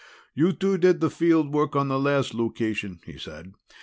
"You two did the field work on the last location," he said.